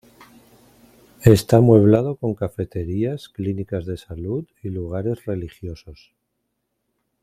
Está amueblado con cafeterías, clínicas de salud y lugares religiosos.